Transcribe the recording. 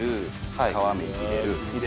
はい皮目に入れる。